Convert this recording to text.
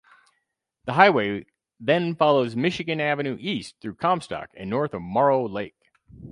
The highway then follows Michigan Avenue east through Comstock and north of Morrow Lake.